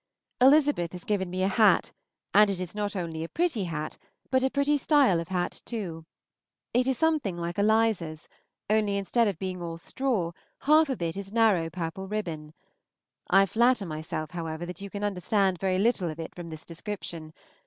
Elizabeth has given me a hat, and it is not only a pretty hat, but a pretty style of hat too. It is something like Eliza's, only, instead of being all straw, half of it is narrow purple ribbon. I flatter myself, however, that you can understand very little of it from this description.